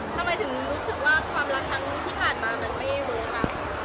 ทำไมถึงรู้สึกว่าความรักครั้งที่ผ่านมามันไม่เวิร์ค